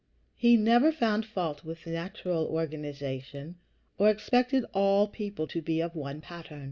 He never found fault with natural organization, or expected all people to be of one pattern.